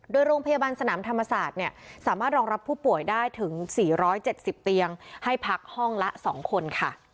โดยโรงพยาบาลสนามธรรมศาสตร์สามารถรองรับผู้ป่วยได้ถึง๔๗๐เตียงให้พักห้องละ๒คนค่ะ